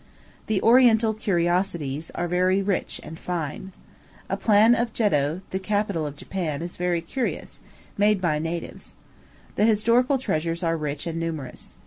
The Oriental curiosities are very rich and fine. A plan of Jeddo, the capital of Japan, is very curious made by natives. The historical treasures are rich and numerous.